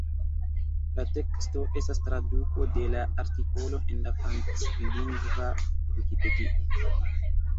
La teksto estas traduko de la artikolo en la franclingva Vikipedio.